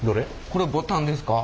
これボタンですか？